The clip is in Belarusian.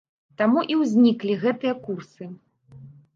Таму і ўзніклі гэтыя курсы.